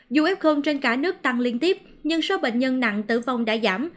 dù f trên cả nước tăng liên tiếp nhưng số bệnh nhân nặng tử vong đã giảm